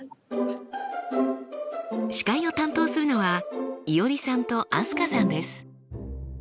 司会を担当するのはいおりさんと飛鳥さんです。